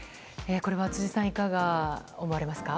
これは、いかが思われますか。